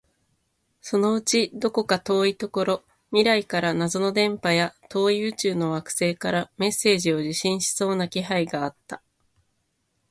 そのうちどこか遠いところ、未来から謎の電波や、遠い宇宙の惑星からメッセージを受信しそうな気配があった